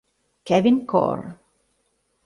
Kevin Corre